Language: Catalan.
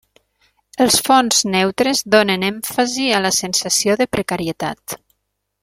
Els fons neutres donen èmfasi a la sensació de precarietat.